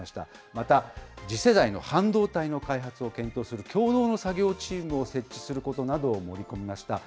また、次世代の半導体の開発を検討する共同の作業チームを設置することなどを盛り込みました。